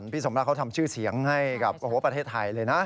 พี่สมรักเขาทำชื่อเสียงให้กับประเทศไทยเลยนะ